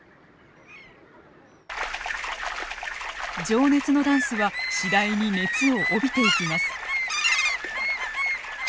情熱のダンスは次第に熱を帯びていきます。